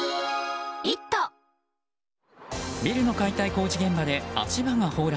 ビルの解体工事現場で足場が崩落。